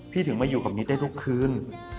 ถึงมาอยู่กับนิดได้ทุกคืน